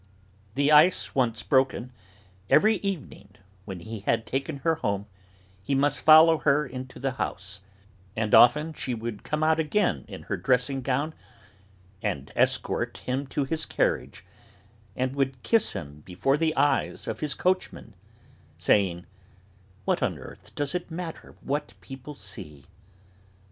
The ice once broken, every evening, when he had taken her home, he must follow her into the house; and often she would come out again in her dressing gown, and escort him to his carriage, and would kiss him before the eyes of his coachman, saying: "What on earth does it matter what people see?"